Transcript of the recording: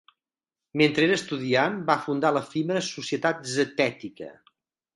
Mentre era estudiant, va fundar l'efímera Societat Zetètica.